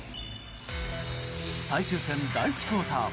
最終戦、第１クオーター。